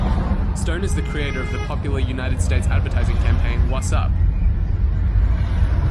Stone is the creator of the popular United States advertising campaign Whassup?